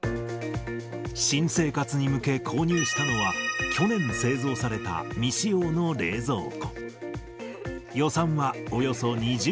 新生活に向け、購入したのは、去年製造された未使用の冷蔵庫。